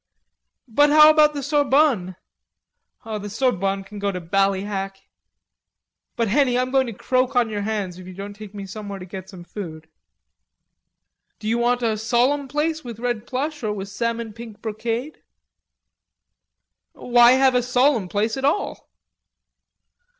"But what about the Sorbonne?" "The Sorbonne can go to Ballyhack." "But, Henny, I'm going to croak on your hands if you don't take me somewhere to get some food." "Do you want a solemn place with red plush or with salmon pink brocade?" "Why have a solemn place at all?"